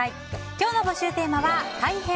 今日の募集テーマは「大変！